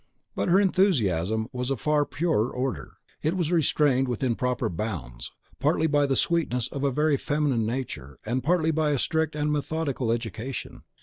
But her enthusiasm was of a far purer order, and was restrained within proper bounds, partly by the sweetness of a very feminine nature, and partly by a strict and methodical education.